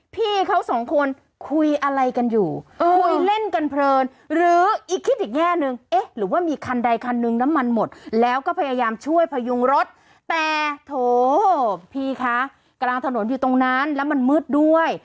พี่ค่ะกลางถนนอยู่ตรงนั้นแล้วมันมืดด้วย